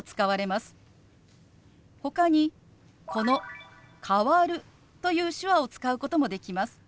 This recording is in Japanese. ほかにこの「変わる」という手話を使うこともできます。